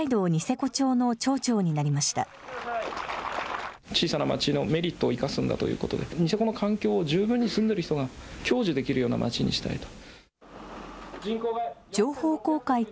小さな町のメリットを生かすんだということで、ニセコの環境を、十分に住んでいる人が享受できるような町にしたいと。